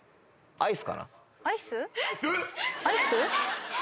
アイス？